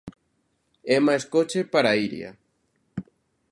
E máis coche para Iria.